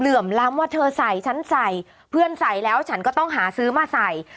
ล้ำว่าเธอใส่ฉันใส่เพื่อนใส่แล้วฉันก็ต้องหาซื้อมาใส่